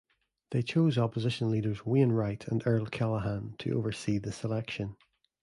They chose opposition leaders Wayne Wright and Earl Callahan to oversee the selection.